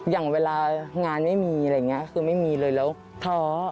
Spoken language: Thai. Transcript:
อย่างเวลางานไม่มีอะไรอย่างนี้คือไม่มีเลยแล้วท้อ